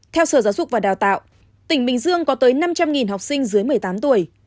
theo sở giáo dục và đào tạo tỉnh bình dương có tới năm trăm linh học sinh dưới một mươi tám tuổi